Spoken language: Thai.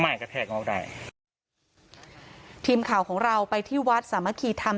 กระแทกงอกได้ทีมข่าวของเราไปที่วัดสามัคคีธรรม